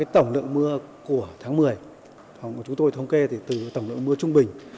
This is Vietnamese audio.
tổng lượng mưa của tháng một mươi của chúng tôi thống kê từ tổng lượng mưa trung bình